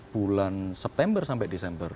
bulan september sampai desember